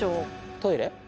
トイレ？